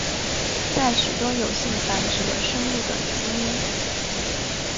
在许多有性繁殖的生物的基因。